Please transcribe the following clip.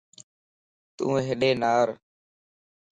تون ھيڏي نار